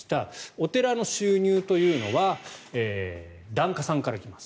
お寺の収入というのは檀家さんから来ます。